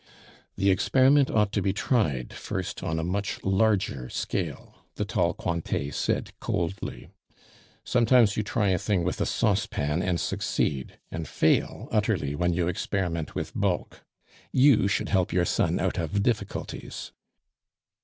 "The experiment ought to be tried first on a much larger scale," the tall Cointet said coldly; "sometimes you try a thing with a saucepan and succeed, and fail utterly when you experiment with bulk. You should help your son out of difficulties."